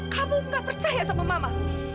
kamu gak percaya sama mama